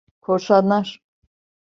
Korsanlar…